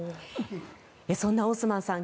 そんなオースマンさん